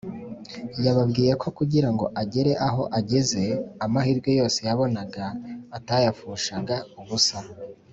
Yababwiye ko kugirango agere aho ageze amahirwe yose yabonaga atayapfushaga ubusa